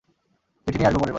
চিঠি নিয়ে আসবো পরেরবার।